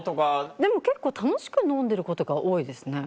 でも結構楽しく飲んでることが多いですね。